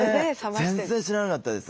全然知らなかったです。